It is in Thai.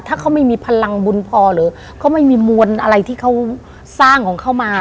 ถ้าเขาไม่มีพลังบุญพอหรือเขาไม่มีมวลอะไรที่เขาสร้างของเขามา